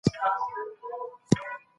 الکول په چاغښت کې مرسته کوي.